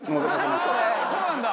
そうなんだ！